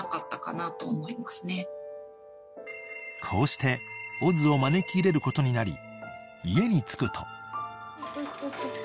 ［こうしてオズを招き入れることになり家に着くと］